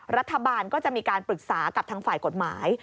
รัฐบาลก็จะมีการปรึกษากับทางฝ่ายกฎหมาย